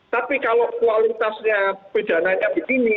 tapi kalau kualitasnya pidananya begini